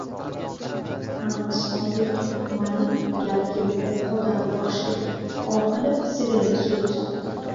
— Anavi Sodiqov muallim gali kelganda poda boqishga or qilib, sigirini so‘yib sotdi!